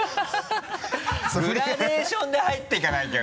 グラデーションで入っていかなきゃ！